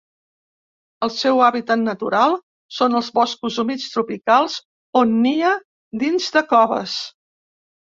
El seu hàbitat natural són els boscos humits tropicals, on nia dins de coves.